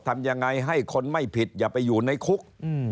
ทำยังไงให้คนไม่ผิดอย่าไปอยู่ในคุก